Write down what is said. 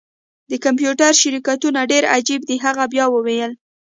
د کمپیوټر شرکتونه ډیر عجیب دي هغې بیا وویل